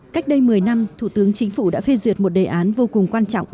cách đây một mươi năm thủ tướng chính phủ đã phê duyệt một đề án vô cùng quan trọng